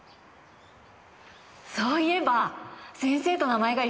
そういえば先生と名前が一緒だ！